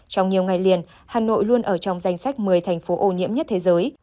trong nhiều ngày liền hà nội luôn ở trong danh sách một mươi thành phố ô nhiễm nhất thế giới